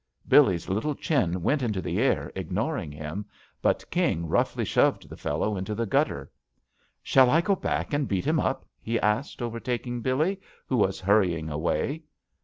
Billee's little chin went into the air ignoring him, but King roughly shoved the fellow into the gutter. "Shall I go back and beat him up?" he asked, overtaking Billee, who was hurrying away.